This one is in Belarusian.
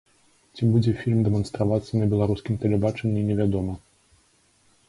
Ці будзе фільм дэманстравацца на беларускім тэлебачанні, невядома.